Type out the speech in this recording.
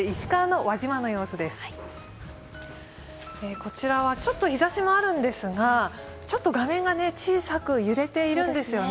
こちらはちょっと日ざしもあるんですが、画面が小さく揺れているんですよね。